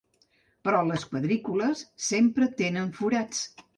Però les quadrícules sempre tenen forats.